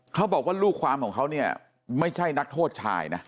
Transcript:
เขาบอกว่าลูกความของเขาเนี่ยไม่ใช่นักโทษชายนะ